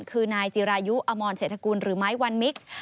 คือนายจิรายุอมอนเสียทะกุลหรือไมค์วันมิกซ์